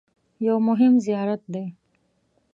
یو مهم زیارت دی.